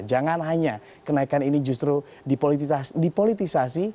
jangan hanya kenaikan ini justru dipolitisasi